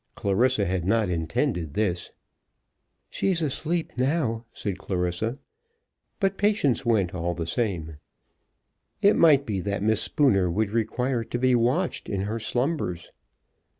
Clarissa had not intended this. "She's asleep now," said Clarissa. But Patience went all the same. It might be that Miss Spooner would require to be watched in her slumbers.